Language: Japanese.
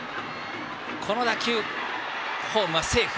この打球、ホームはセーフ。